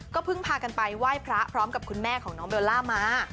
เพิ่งพากันไปไหว้พระพร้อมกับคุณแม่ของน้องเบลล่ามา